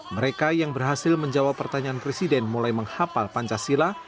mereka yang berhasil menjawab pertanyaan presiden mulai menghapal pancasila